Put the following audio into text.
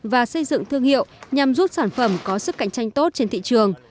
và xây dựng thương hiệu nhằm giúp sản phẩm có sức cạnh tranh tốt trên thị trường